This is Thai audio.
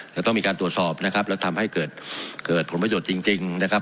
จะต้องมีการตรวจสอบนะครับแล้วทำให้เกิดเกิดผลประโยชน์จริงนะครับ